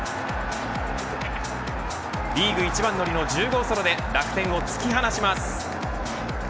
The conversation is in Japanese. リーグ一番乗りの１０号ソロで楽天を突き放します。